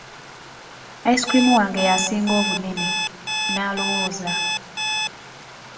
Ice cream wange yasinga obunene, n'alowooza.